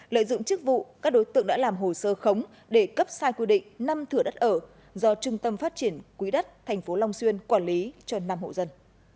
lợi dụng chức vụ các đối tượng đã làm hồ sơ khống để cấp sai quy định năm thửa đất ở do trung tâm phát triển quỹ đất tp long xuyên quản lý cho năm hộ dân